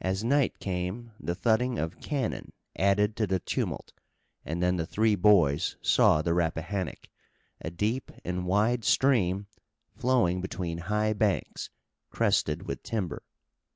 As night came the thudding of cannon added to the tumult, and then the three boys saw the Rappahannock, a deep and wide stream flowing between high banks crested with timber.